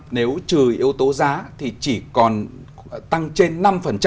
nếu trừ yếu tố giá thì chỉ còn tăng trên năm